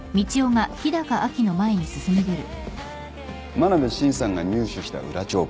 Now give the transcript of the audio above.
真鍋伸さんが入手した裏帳簿。